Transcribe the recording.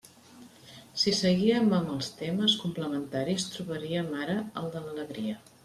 Si seguíem amb els temes complementaris, trobaríem ara el de l'alegria.